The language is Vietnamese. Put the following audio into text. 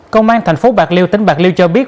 công an tp bạc liêu tỉnh bạc liêu cho biết